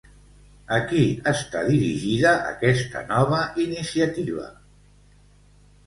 A qui està dirigida aquesta nova iniciativa?